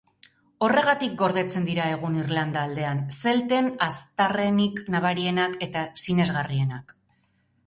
Horregatik gordetzen dira egun Irlanda aldean, zelten aztarrenik nabarienak eta sinesgarrienak.